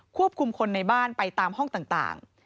ควบคุมคนในบ้านไปตามห้องต่าง